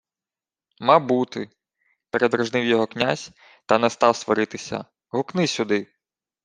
— «Мабути», — передражнив його князь, та не став сваритися. — Гукни сюди.